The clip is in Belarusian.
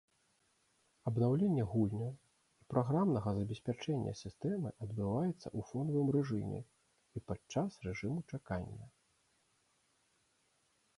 Абнаўлення гульняў і праграмнага забеспячэння сістэмы адбываецца ў фонавым рэжыме і падчас рэжыму чакання.